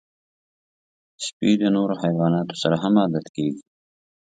سپي د نورو حیواناتو سره هم عادت کېږي.